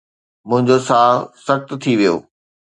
منهنجو ساهه سخت ٿي ويو